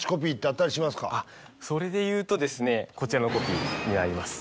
それでいうとこちらのコピーになります。